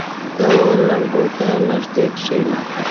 • د اور لمبو ته نږدې کښېنه.